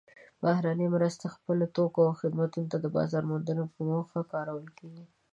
بهرنۍ مرستې خپلو توکو او خدماتو ته د بازار موندلو په موخه کارول کیږي.